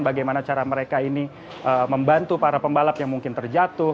bagaimana cara mereka ini membantu para pembalap yang mungkin terjatuh